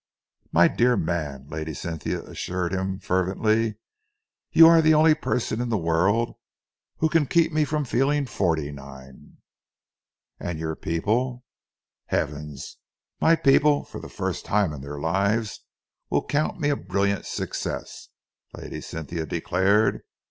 "My dear man," Lady Cynthia assured him fervently, "you are the only person in the world who can keep me from feeling forty nine." "And your people " "Heavens! My people, for the first time in their lives, will count me a brilliant success," Lady Cynthia declared.